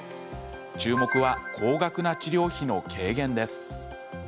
注目は、高額な治療費の軽減です。